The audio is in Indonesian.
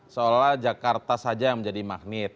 seolah jakarta saja yang menjadi magnet